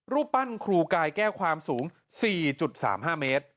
รูปปั้นครูกายแก้วความสูง๔๓๕เมตร